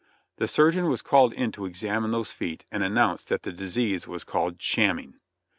The surgeon was called in to examine those feet and announced that the disease was called "Shamming."